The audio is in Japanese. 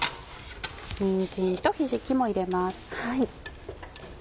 にんじんとひじきも入れます。